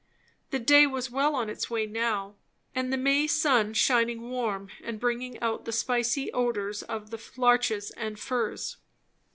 The day was well on its way now, and the May sun shining warm and bringing out the spicy odours of the larches and firs.